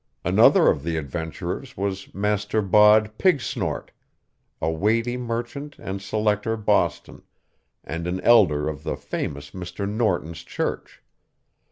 Another of the adventurers was Master bod Pigsnort, a weighty merchant and selector Boston, and an elder of the famous Mr. Norton's church.